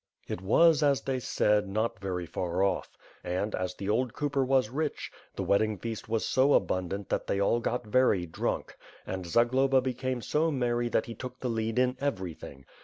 It was, as they said, not very far off; and, as the old cooper was rich, the wedding feast was so abundant that they all got very drunk, and Zagloba became so merry that he took the lead in everything.